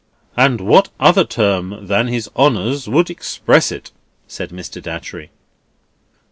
"And what other term than His Honour's would express it?" said Mr. Datchery.